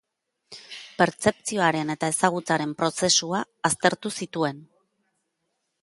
Pertzepzioaren eta ezagutzaren prozesua aztertu zituen.